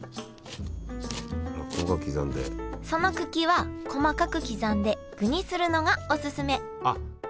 その茎は細かく刻んで具にするのがオススメあっ